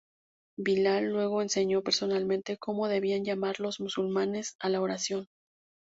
Bilal luego enseñó personalmente cómo debían llamar los musulmanes a la oración.